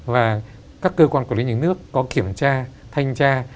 và các cơ quan quản lý nhà nước có kiểm tra thanh tra